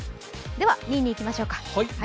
では２位にいきましょうか。